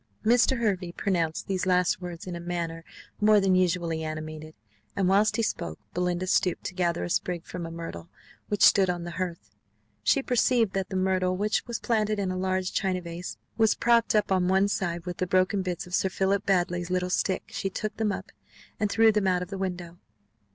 Mr. Hervey pronounced these last words in a manner more than usually animated; and whilst he spoke, Belinda stooped to gather a sprig from a myrtle, which stood on the hearth. She perceived that the myrtle, which was planted in a large china vase, was propped up on one side with the broken bits of Sir Philip Baddely's little stick: she took them up, and threw them out of the window.